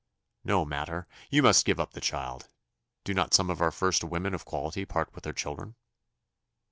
"No matter; you must give up the child. Do not some of our first women of quality part with their children?"